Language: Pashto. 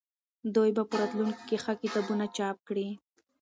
دوی به په راتلونکي کې ښه کتابونه چاپ کړي.